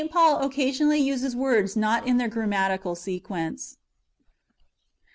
Paul occasionally uses words not in their grammatical sequence, 1.